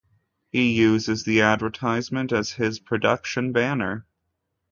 He uses the advertisement as his production banner.